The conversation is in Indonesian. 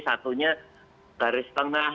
satunya garis tengah